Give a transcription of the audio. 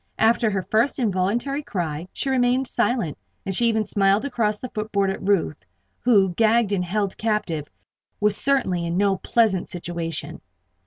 After her first involuntary cry, she remained silent, and she even smiled across the footboard at Ruth, who, gagged and held captive, was certainly in no pleasant situation.